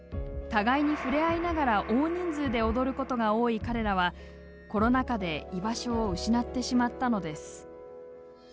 互いに触れ合いながら大人数で踊ることが多い彼らはコロナ禍で居場所を失ってしまったのです。